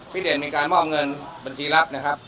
เดชมีการมอบเงินบัญชีรับนะครับ